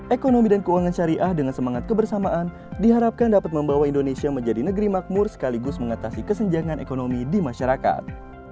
ekonomi dan keuangan syariah dengan semangat kebersamaan diharapkan dapat membawa indonesia menjadi negeri makmur sekaligus mengatasi kesenjangan ekonomi di masyarakat